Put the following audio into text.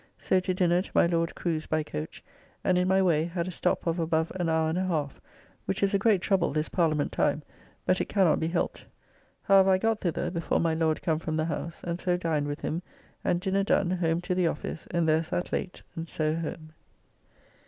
So to dinner to my Lord Crew's by coach, and in my way had a stop of above an hour and a half, which is a great trouble this Parliament time, but it cannot be helped. However I got thither before my Lord come from the House, and so dined with him, and dinner done, home to the office, and there sat late and so home.